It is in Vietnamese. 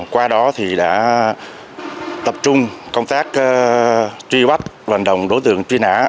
qua đó thì đã tập trung công tác truy bắt vận động đối tượng truy nã